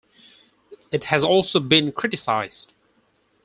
It has also been criticised.